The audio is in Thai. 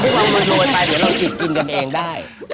เพื่อใช้มันกันได้